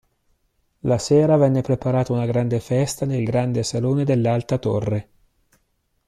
La sera venne preparata una grande festa nel grande salone dell'Alta Torre.